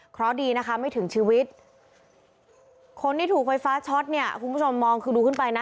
เพราะดีนะคะไม่ถึงชีวิตคนที่ถูกไฟฟ้าช็อตเนี่ยคุณผู้ชมมองคือดูขึ้นไปนะ